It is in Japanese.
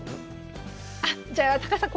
あっじゃあ高橋さん